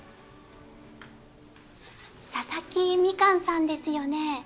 ささき蜜柑さんですよね？